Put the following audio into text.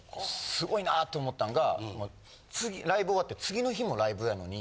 すごいなって思ったんが次ライブ終わって次の日もライブやのに。